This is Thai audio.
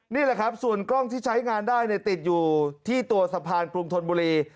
นี่แหละครับส่วนกล้องที่ใช้งานได้ติดอยู่ที่ตัวสะพานกรุงธนบุรี